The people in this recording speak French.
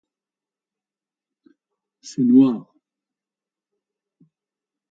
C'est noir.